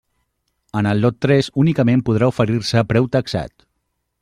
En el lot tres únicament podrà oferir-se preu taxat.